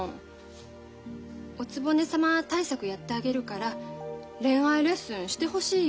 おつぼね様対策やってあげるから恋愛レッスンしてほしいよ